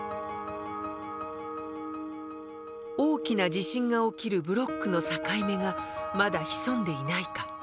大きな地震が起きるブロックの境目がまだ潜んでいないか。